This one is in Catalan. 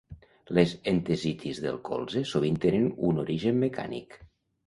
Les entesitis del colze sovint tenen un origen mecànic.